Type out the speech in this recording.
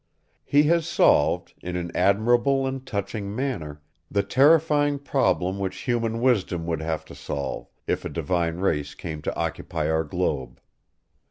He has solved, in an admirable and touching manner, the terrifying problem which human wisdom would have to solve if a divine race came to occupy our globe.